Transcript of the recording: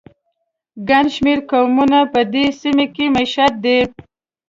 ګڼ شمېر قومونه په دې سیمه کې مېشت دي.